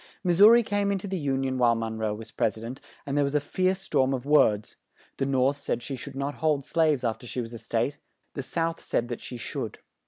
Mis sou ri came in to the Un ion while Mon roe was Pres i dent, and there was a fierce storm of words; the North said she should not hold slaves after she was a State, the South said that she should.